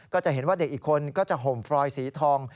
ก็จะเห็นว่าเด็กอีกคนก็จะห่มฟรอยสีทอง